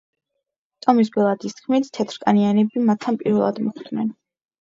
ტომის ბელადის თქმით, თეთრკანიანები მათთან პირველად მოხვდნენ.